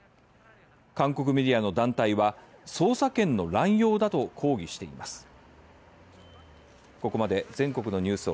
韓国メディアの団体は捜査権の乱用だと抗議しています。